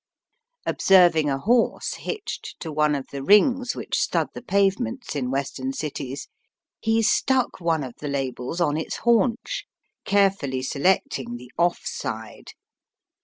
Observing a horse hitched to one of the rings which stud the pavements in Western cities, he stuck one of the labels on its haunch, carefully selecting the off side.